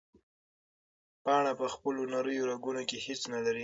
پاڼه په خپلو نریو رګونو کې هیڅ نه لري.